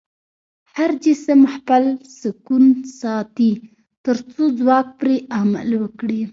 هر جسم خپل سکون ساتي تر څو ځواک پرې عمل وکړي.